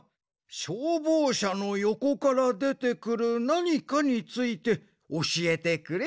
しょうぼうしゃのよこからでてくるなにかについておしえてくれ。